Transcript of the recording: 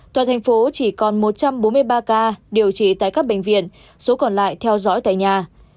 toàn thành phố chỉ còn một trăm bốn mươi ba ca điều trị tại các bệnh viện số còn lại theo dõi tại nhà